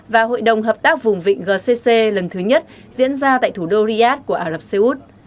và hội đồng hợp tác vùng vịnh gcc lần thứ nhất diễn ra tại thủ đô riyadh của ả rập xê út